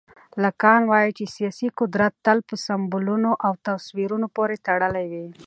لاکان وایي چې سیاسي قدرت تل په سمبولونو او تصویرونو پورې تړلی وي.